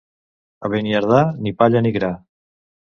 A Beniardà ni palla ni gra.